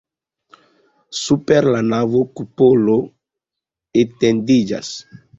Super la navo kupolo etendiĝas.